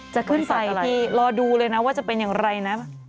จะขึ้นไปอีกทีรอดูเลยนะว่าจะเป็นอย่างไรนะ